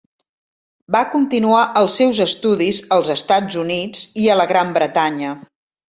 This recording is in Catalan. Va continuar els seus estudis als Estats Units i a la Gran Bretanya.